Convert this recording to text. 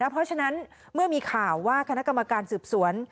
เพราะฉะนั้นเมื่อมีข่าวว่าคณะกรรมการสืบสวน